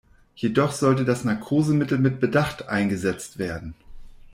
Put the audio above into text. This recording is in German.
Jedoch sollte das Narkosemittel mit Bedacht eingesetzt werden.